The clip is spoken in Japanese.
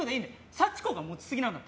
幸子が持ちすぎなんだよ。